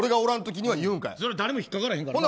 それは誰も引っかからへんから。